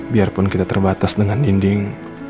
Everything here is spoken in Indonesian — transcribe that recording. biarpun kita terbatas dengan dinding